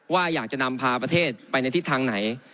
ว่าอยากจะนำพาประเทศไปในทิศทางไหน